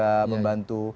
iya iya membantu